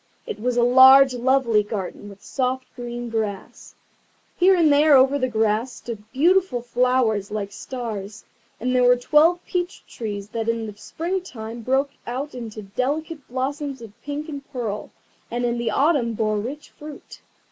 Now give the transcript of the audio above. It was a large lovely garden, with soft green grass. Here and there over the grass stood beautiful flowers like stars, and there were twelve peach trees that in the spring time broke out into delicate blossoms of pink and pearl, and in the autumn bore rich fruit.